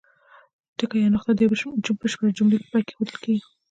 ټکی یا نقطه د یوې بشپړې جملې په پای کې اېښودل کیږي.